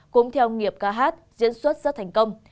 cũng theo nghiệp ca hát diễn xuất rất thành công